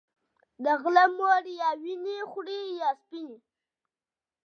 د غله مور يا وينې خورې يا سپينې